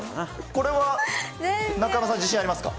これは中山さん、自信ありますか？